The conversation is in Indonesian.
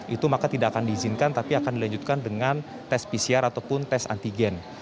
itu maka tidak akan diizinkan tapi akan dilanjutkan dengan tes pcr ataupun tes antigen